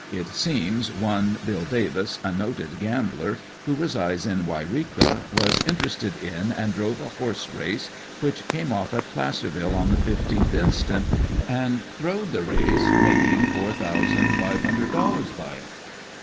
It seems, one Bill Davis, a noted gambler, who resides in Yreka, was interested in and drove a horse race, which came off at Placer ville on the 15th inst., and 'throwed' the race, making four thousand five hundred dollars by it.